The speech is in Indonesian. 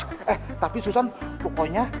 eh tapi susann pokoknya